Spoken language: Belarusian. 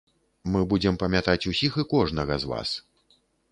Мы будзем памятаць усіх і кожнага з вас.